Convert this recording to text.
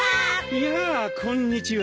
やあこんにちは。